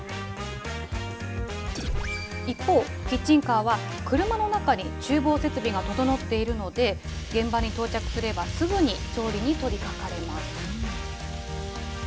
一方、キッチンカーは車の中にちゅう房設備が整っているので、現場に到着すれば、すぐに調理に取りかかれます。